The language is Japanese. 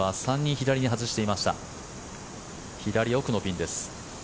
左奥のピンです。